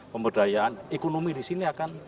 pemberdayaan ekonomi disini akan